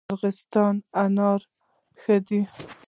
ارغستان انار ښه دي؟